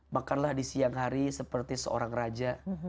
makanlah di siang hari seperti seorang raja